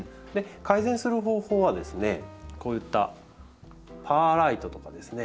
改善する方法はですねこういったパーライトとかですね